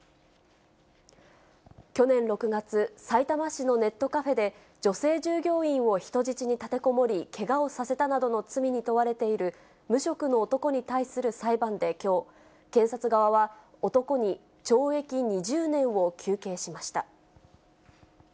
去年６月、さいたま市のネットカフェで女性従業員を人質に立てこもり、けがをさせたなどの罪に問われている無職の男に対する裁判できょう、検察側は、男に懲役２０年を求刑しました。